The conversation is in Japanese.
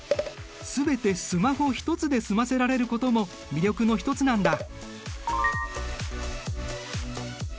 全てスマホ一つで済ませられることも魅力の一つなんだ。